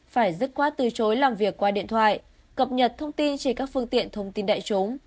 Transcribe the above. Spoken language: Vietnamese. phải dứt khoát từ chối làm việc qua điện thoại cập nhật thông tin trên các phương tiện thông tin đại chúng